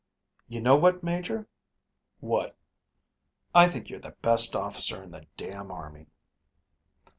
"You know what, Major?" "What?" "I think you're the best officer in the damn army."